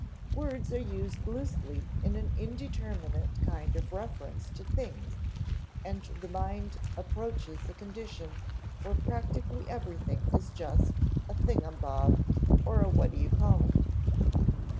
Words are used loosely in an indeterminate kind of reference to things, and the mind approaches a condition where practically everything is just a thing um bob or a what do you call it.